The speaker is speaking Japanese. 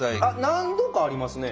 何度かありますね。